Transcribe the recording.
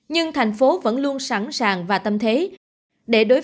nhưng thành phố vẫn luôn sẵn sàng và tâm thế